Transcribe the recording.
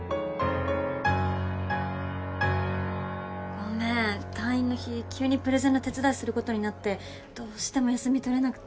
ごめん退院の日急にプレゼンの手伝いすることになってどうしても休み取れなくて